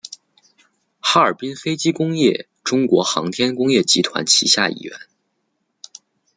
哈尔滨飞机工业中国航空工业集团旗下一员。